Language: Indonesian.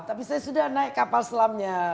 tapi saya sudah naik kapal selamnya